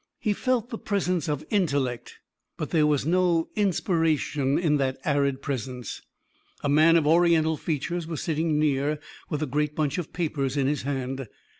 He felt the presence of intellect, but there was no inspiration in that arid presence. A man of Oriental features was sitting near with a great bunch of papers in his hand.